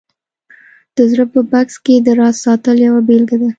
د زړه په بکس کې د راز ساتل یوه بېلګه ده